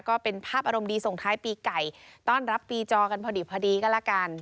ก็เป็นภาพอารมณ์ดีส่งท้ายปีไก่ต้อนรับปีจอกันพอดีพอดีก็แล้วกัน